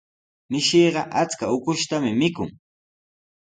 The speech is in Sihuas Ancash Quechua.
Mishiqa achka ukushtami mikun.